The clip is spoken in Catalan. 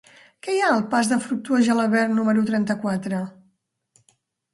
Què hi ha al pas de Fructuós Gelabert número trenta-quatre?